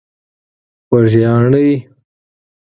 خوږیاڼۍ.